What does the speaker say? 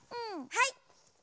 はい！